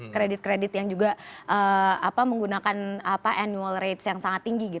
kredit kredit yang juga menggunakan annual rate yang sangat tinggi